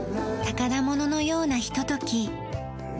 宝物のようなひととき。